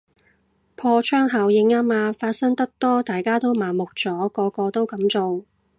破窗效應吖嘛，發生得多大家都麻木咗，個個都噉做